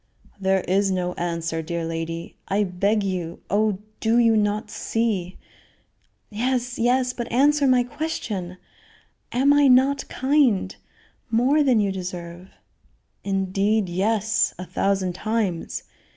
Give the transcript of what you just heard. "There is no answer, dear lady I beg you oh, do you not see " "Yes, yes; but answer my question; am I not kind more than you deserve?" "Indeed, yes; a thousand times.